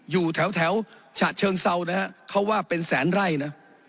อยู่แถวฉะเชิงเซานะฮะเขาว่าเป็นแสนไร่นะ